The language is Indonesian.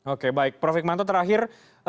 oke baik prof hikmanto terakhir